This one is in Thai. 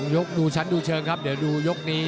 ดูชั้นดูเชิงครับเดี๋ยวดูยกนี้